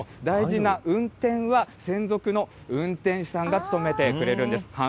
大事な運転は、専属の運転手さんが務めてくれるんです。